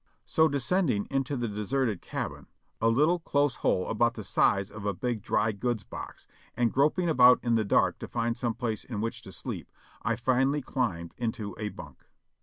So descend ing into the deserted cabin, a little, close hole about the size of a big dry goods box, and groping about in the dark to find some place in which to sleep, I finally climbed into a bunk.